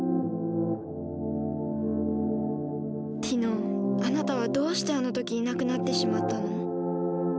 ティノあなたはどうしてあの時いなくなってしまったの？